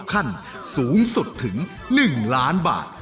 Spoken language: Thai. ขั้นสูงสุดถึง๑ล้านบาท